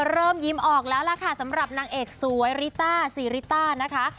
เริ่มยิ้มออกแล้วล่ะค่ะสำหรับนางเอกนนะคะ